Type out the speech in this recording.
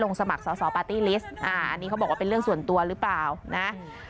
สมัครสอสอปาร์ตี้ลิสต์อันนี้เขาบอกว่าเป็นเรื่องส่วนตัวหรือเปล่านะ